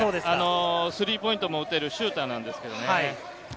スリーポイントを打てるシューターなんですけどね。